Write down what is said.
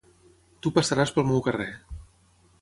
Tu passaràs pel meu carrer.